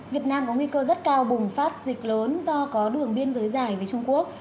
việt nam có nguy cơ rất cao bùng phát dịch lớn do có đường biên giới dài với trung quốc